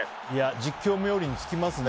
実況冥利に尽きますね